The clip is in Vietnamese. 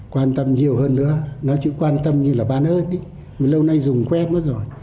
quan tâm nhiều hơn nữa nói chữ quan tâm như là bán ơn lâu nay dùng quét mất rồi